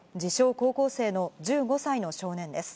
高校生の１５歳の少年です。